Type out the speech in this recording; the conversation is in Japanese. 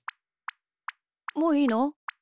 もういいの？